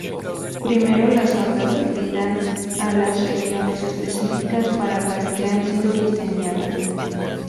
Primero, las sondas hibridan a las regiones específicas para las que han sido diseñadas.